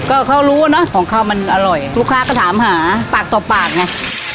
ก็เขารู้เนอะของเขามันอร่อยลูกค้าก็ถามหาปากต่อปากไง